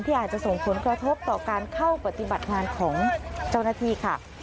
อาจจะส่งผลกระทบต่อการเข้าปฏิบัติงานของเจ้าหน้าที่ค่ะ